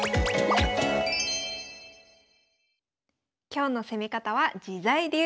今日の攻め方は自在流。